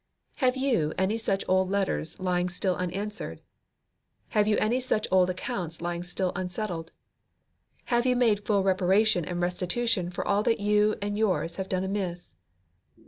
Have you any such old letters lying still unanswered? Have you any such old accounts lying still unsettled? Have you made full reparation and restitution for all that you and yours have done amiss?